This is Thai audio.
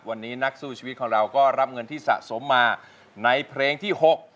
วันนี้นักสู้ชีวิตของเราก็รับเงินที่สะสมมาในเพลงที่๖